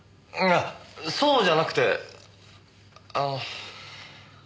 あそうじゃなくてあの。